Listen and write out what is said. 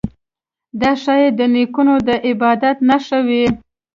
دا ښايي د نیکونو د عبادت نښه وي.